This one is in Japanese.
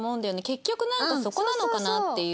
結局なんかそこなのかなっていう。